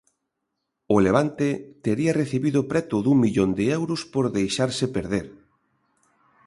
O Levante tería recibido preto dun millón de euros por deixarse perder.